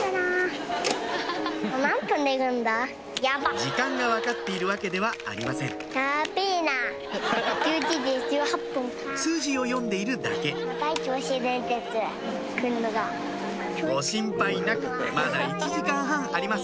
時間が分かっているわけではありません数字を読んでいるだけご心配なくまだ１時間半あります